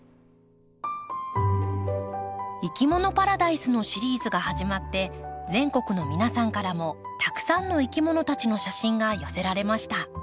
「いきものパラダイス」のシリーズが始まって全国の皆さんからもたくさんのいきものたちの写真が寄せられました。